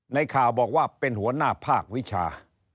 ในข่าวบอกว่าเป็นหัวหน้าภาควิชา